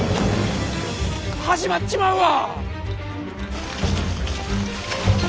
始まっちまうわ！